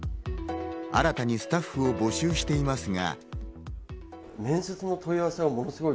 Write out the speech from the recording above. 新たにスタッフを募集していますが。